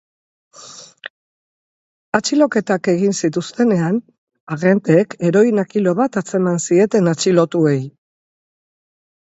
Atxiloketak egin zituztenean, agenteek heroina kilo bat atzeman zieten atxilotuei.